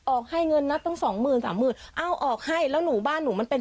ให้เงินนับตั้งสองหมื่นสามหมื่นเอ้าออกให้แล้วหนูบ้านหนูมันเป็น